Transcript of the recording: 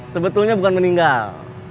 sebetulnya bukan meninggal